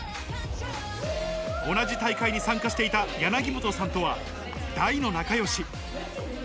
同じ大会に参加していた柳本さんとは大の仲良し。